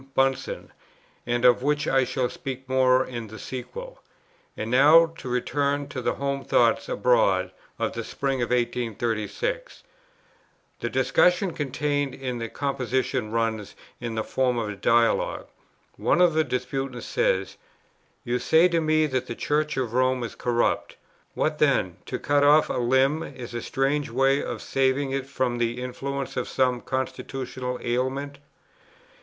Bunsen, and of which I shall speak more in the sequel. And now to return to the Home Thoughts Abroad of the spring of 1836: The discussion contained in this composition runs in the form of a dialogue. One of the disputants says: "You say to me that the Church of Rome is corrupt. What then? to cut off a limb is a strange way of saving it from the influence of some constitutional ailment.